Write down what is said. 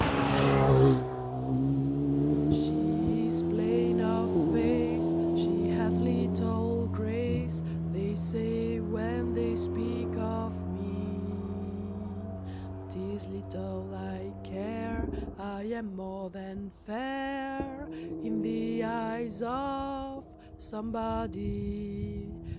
Somebody She is plain of face, she hath little grace, They say when they speak of me, 'Tis little I care, I am more than fair In the eyes of somebody.